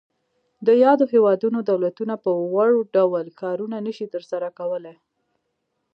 د یادو هیوادونو دولتونه په وړ ډول کارونه نشي تر سره کولای.